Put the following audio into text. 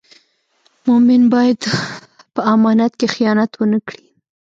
مومن باید په امانت کې خیانت و نه کړي.